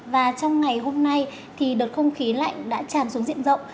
và trong ngày hôm nay thì đợt không khí lạnh đã tràn xuống diện rộng